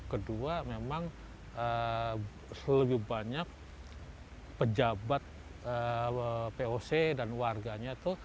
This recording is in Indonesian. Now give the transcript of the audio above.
kedua memang lebih banyak pejabat poc dan warganya itu